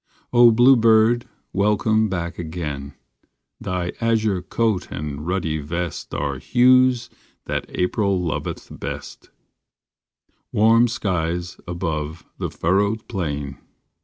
O bluebird, welcome back again, Thy azure coat and ruddy vest Are hues that April loveth best, Warm skies above the furrowed plain.